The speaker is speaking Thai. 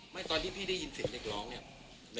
ตอนที่พี่ได้ยินเสียงเด็กร้องเนี่ย